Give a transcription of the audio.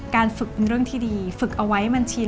ฝึกเป็นเรื่องที่ดีฝึกเอาไว้มันชิน